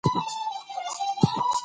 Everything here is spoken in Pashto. کله چې روغ یاست کار کولی شئ.